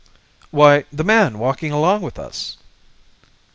"Why, the man walking along with us!"